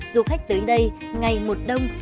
du khách tới đây ngày một đông